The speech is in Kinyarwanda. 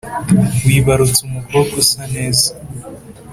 Wibarutse umukobwa usa neza